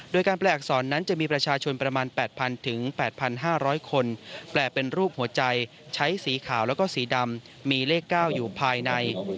โดยการแปลอักษรนั้นจะมีประชาชนประมาณ๘๐๐๘๕๐๐คนแปลเป็นรูปหัวใจใช้สีขาวแล้วก็สีดำมีเลข๙อยู่ภายใน